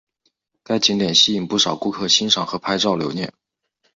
该景点吸引不少顾客欣赏和拍照留念。